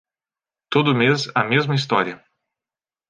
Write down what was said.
Todo mês, a mesma história.